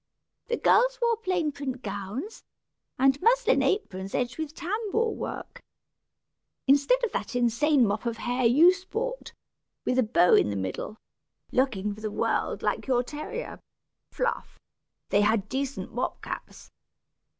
The girls wore plain print gowns, and muslin aprons edged with tambour work. Instead of that insane mop of hair you sport, with a bow in the middle, looking for the world and all like your terrier, Fluff, they had decent mob caps.